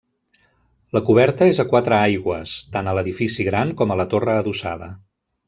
La coberta és a quatre aigües, tant a l'edifici gran com a la torre adossada.